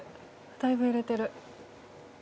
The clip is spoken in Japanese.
だいぶ揺れている。